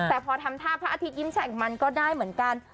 แต่พอทำท่าพระอาทิตยิ้มแฉ่งมันก็ได้เหมือนกัน